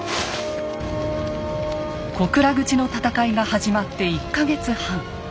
小倉口の戦いが始まって１か月半。